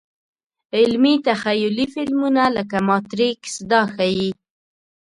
علمي – تخیلي فلمونه لکه ماتریکس دا ښيي.